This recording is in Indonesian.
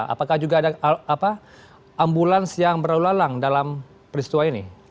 apakah juga ada ambulans yang berlalang dalam peristua ini